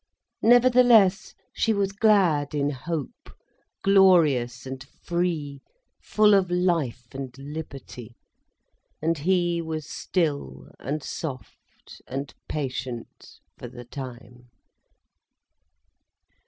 Nevertheless she was glad in hope, glorious and free, full of life and liberty. And he was still and soft and patient, for the time.